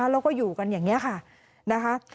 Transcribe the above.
เราก็อยู่กันแบบนี้ค่ะ